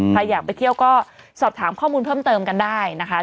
ใครอยากไปเที่ยวก็สอบถามข้อมูลเพิ่มเติมกันได้นะคะ